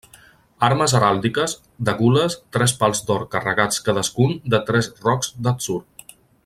Armes heràldiques: de gules, tres pals d'or carregats cadascun de tres rocs d'atzur.